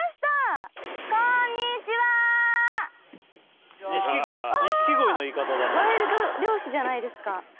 ワイルド漁師じゃないですか！